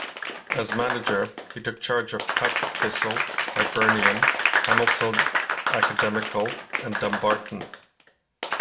As manager, he took charge of Partick Thistle, Hibernian, Hamilton Academical and Dumbarton.